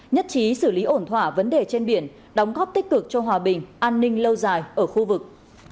nhất trí xử lý ổn thỏa vấn đề trên biển đóng góp tích cực cho hòa bình an ninh lâu dài ở khu vực